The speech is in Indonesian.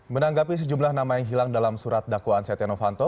menanggapi sejumlah nama yang hilang dalam surat dakwaan setia novanto